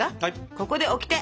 ここでオキテ！